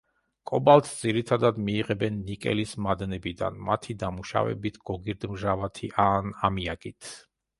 კობალტს ძირითადად მიიღებენ ნიკელის მადნებიდან, მათი დამუშავებით გოგირდმჟავათი ან ამიაკით.